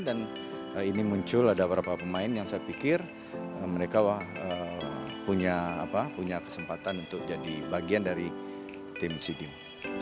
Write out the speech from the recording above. dan ini muncul ada beberapa pemain yang saya pikir mereka punya kesempatan untuk jadi bagian dari tim si game